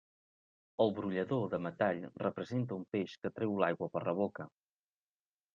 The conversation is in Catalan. El brollador, de metall, representa un peix que treu l'aigua per la boca.